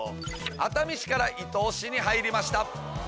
熱海市から伊東市に入りました。